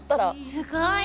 すごい。